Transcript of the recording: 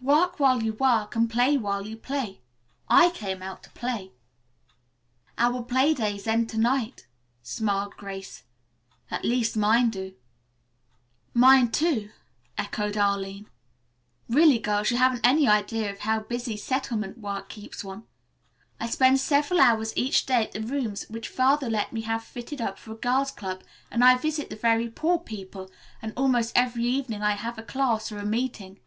"'Work while you work and play while you play.' I came out to play." "Our play days end to night," smiled Grace. "At least mine do." "Mine, too," echoed Arline. "Really, girls, you haven't any idea of how busy settlement work keeps one. I spend several hours each day at the rooms which Father let me have fitted up for a Girls' Club, and I visit the very poor people, and almost every evening I have a class or a meeting.